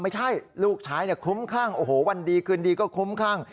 ไม่ใช่ลูกชายคุ้มข้างวันดีคืนดีก็คุ้มข้าง